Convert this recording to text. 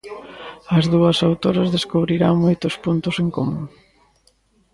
As dúas autoras descubriran moitos puntos en común.